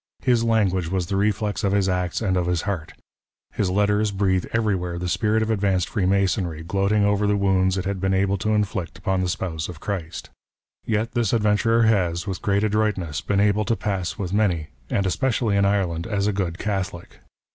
His language was the reflex of his acts and of his heart. His letters l)reathe everywhere the spirit of advanced Freemasonry, gloating over the wounds it had been able to inflict upon the Spouse of Christ. Yet this adven turer has, with great adroitness, been able to pass with many, and especially in Ireland, as a good Catholic.